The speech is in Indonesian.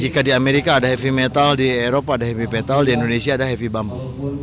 jika di amerika ada heavy metal di eropa ada heavy metal di indonesia ada heavy bambu